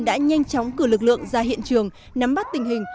đã nhanh chóng cử lực lượng ra hiện trường nắm bắt tình hình